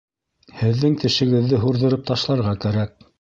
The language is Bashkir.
Һеҙҙең тешегеҙҙе һурҙырып ташларға кәрәк